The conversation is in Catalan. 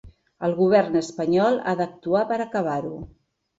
El govern espanyol ha d’actuar per acabar-ho.